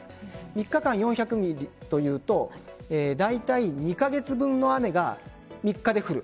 ２日間、４００ｍｍというとだいたい２カ月分の雨が３日で降る。